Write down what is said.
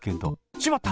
しまった！